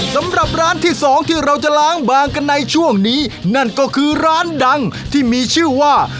สำหรับร้านที่สองที่เราจะล้างบางกันในช่วงนี้นั่นก็คือร้านดังที่มีชื่อว่า